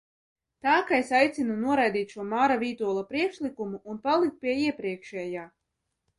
Tā ka es aicinu noraidīt šo Māra Vītola priekšlikumu un palikt pie iepriekšējā.